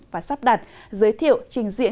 và sắp đặt giới thiệu trình diễn